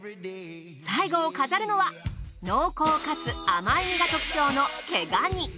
最後を飾るのは濃厚かつ甘い身が特徴の毛ガニ。